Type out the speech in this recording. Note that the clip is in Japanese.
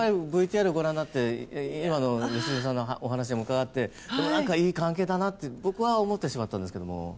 ＶＴＲご覧になって今の良純さんのお話でも伺っていい関係だなって僕は思ってしまったんですけど。